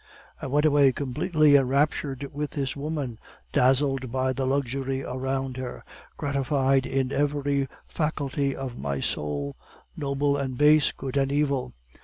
"I went away completely enraptured with this woman, dazzled by the luxury around her, gratified in every faculty of my soul noble and base, good and evil.